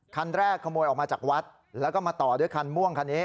คันแรกขโมยออกมาจากวัดแล้วก็มาต่อด้วยคันม่วงคันนี้